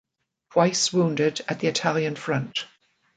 Twice wounded at the Italian Front.